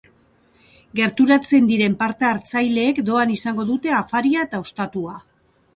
Gerturatzen diren parte-hartzaileek doan izango dute afaria eta ostatua.